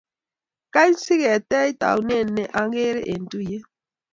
kany siketech taunet ne ang'er eng' tuyiet